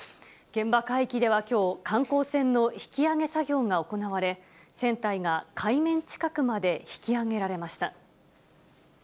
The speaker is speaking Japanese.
現場海域ではきょう、観光船の引き揚げ作業が行われ、船体が海面近くまで引き揚げられました。